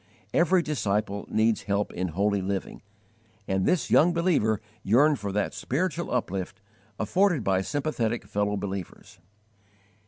Every disciple needs help in holy living, and this young believer yearned for that spiritual uplift afforded by sympathetic fellow believers.